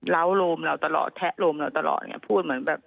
โรมเราตลอดแทะโลมเราตลอดไงพูดเหมือนแบบ